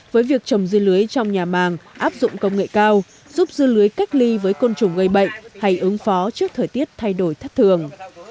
với việc trồng dưa lưới trong nhà màng áp dụng công nghệ cao giúp dưa lưới cách ly với côn trùng gây bệnh hay ứng phó trước thời tiết thay đổi thất thường